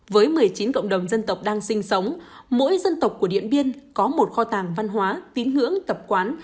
với một mươi chín cộng đồng dân tộc đang sinh sống mỗi dân tộc của điện biên có một kho tàng văn hóa tín ngưỡng tập quán